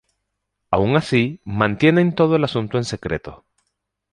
Aun así, mantienen todo el asunto en secreto.